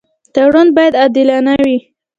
تړون باید عادلانه وي.